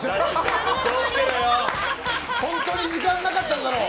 本当に時間なかったんだろう。